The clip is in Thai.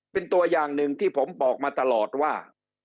เป็นตัวอย่างหนึ่งที่ผมบอกมาตลอดว่า